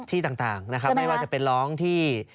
ที่ต่างนะครับไม่ว่าจะเป็นร้องที่